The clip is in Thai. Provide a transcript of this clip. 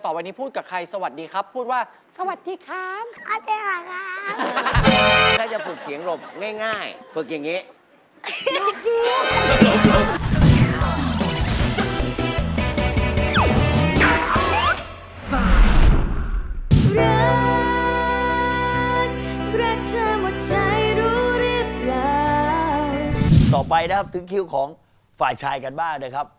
ต่อไปนะครับคิวของฝ่าชายกันบ้างนี่ครับ